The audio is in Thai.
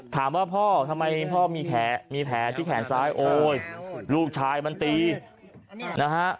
ถามว่าพ่อทำไมพ่อมีแผลมีแผลที่แขนซ้ายโอ้ยลูกชายมันตีนะฮะ